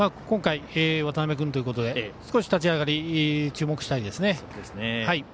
今回は渡邊君ということで少し立ち上がり注目したいですね。